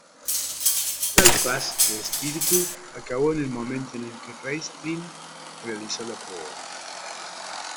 Tal paz de espíritu acabó en el momento en que Raistlin realizó la prueba.